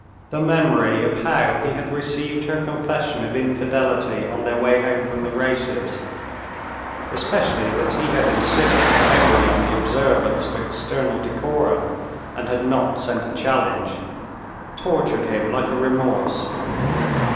The memory of how he had received her confession of infidelity on their way home from the races (especially that he had insisted only on the observance of external decorum, and had not sent a challenge) tortured him like a remorse.